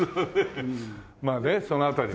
まあねそのあたりは。